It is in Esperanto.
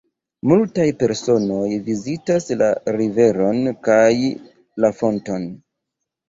Multaj personoj vizitas la riveron kaj la fonton.